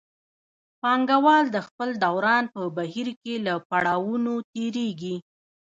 پانګوال د خپل دوران په بهیر کې له پړاوونو تېرېږي